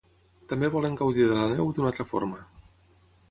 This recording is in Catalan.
També volen gaudir de la neu d'una altra forma.